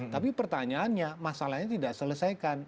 tapi pertanyaannya masalahnya tidak selesaikan